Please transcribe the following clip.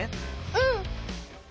うん。